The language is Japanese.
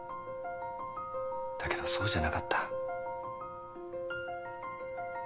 だけどそうじゃなかった。